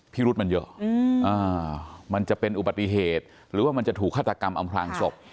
พิรุษมันเยอะมันจะเป็นอุบัติเหตุหรือว่ามันจะถูกฆาตกรรมอำพลางศพ